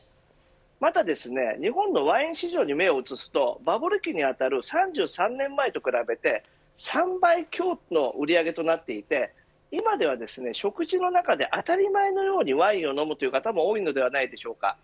また日本のワイン市場に目を移すとバブル期に当たる３３年前と比べて３倍強の売り上げとなっていて今では食事の中で当たり前のようにワインを飲むという方も多いのではないでしょうか。